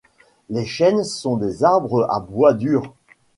Les chênes sont des arbres à bois dur.